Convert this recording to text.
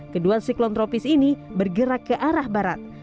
kedua siklon tropis ini bergerak ke arah barat